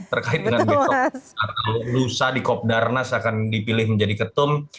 terkait dengan besok atau lusa di kopdarnas akan dipilih menjadi ketum